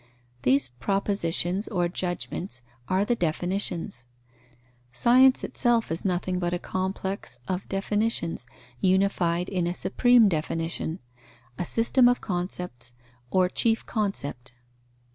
These propositions or judgments are the definitions. Science itself is nothing but a complex of definitions, unified in a supreme definition; a system of concepts, or chief concept.